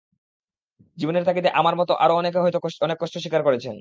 জীবনের তাগিদে আমার মতো আরো অনেকে হয়তো অনেক কষ্ট স্বীকার করছেন।